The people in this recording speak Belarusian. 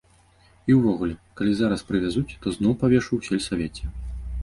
І ўвогуле, калі зараз прывязуць, то зноў павешу ў сельсавеце.